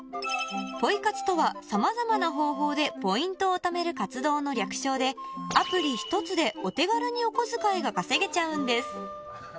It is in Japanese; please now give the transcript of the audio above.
ポイ活とは、さまざまな方法でポイントをためる活動の略称でアプリ１つでお手軽にお小遣いが稼げちゃうんです。